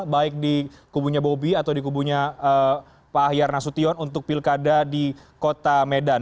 baik di kubunya bobi atau di kubunya pak ahyar nasution untuk pilkada di kota medan